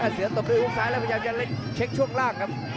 เสือตบด้วยฮุกซ้ายแล้วพยายามจะเล่นเช็คช่วงล่างครับ